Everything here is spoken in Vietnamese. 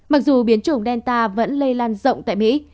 mặc dù biến chủng delta vẫn lây lan rộng tại mỹ